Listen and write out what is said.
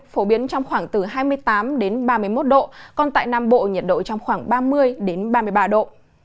phổ biến trong khoảng từ hai mươi tám ba mươi một độ còn tại nam bộ nhiệt độ trong khoảng ba mươi ba mươi ba độ